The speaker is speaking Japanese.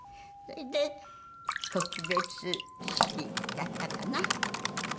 それで告別式だったかな？